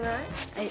はい！